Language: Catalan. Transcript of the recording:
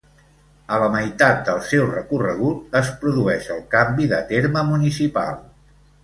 A la meitat del seu recorregut es produeix el canvi de terme municipal.